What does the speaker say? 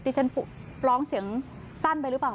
ฉันร้องเสียงสั้นไปหรือเปล่า